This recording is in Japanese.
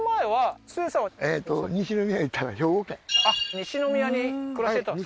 西宮に暮らしてたんですか